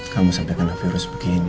kamu sampai kena virus begini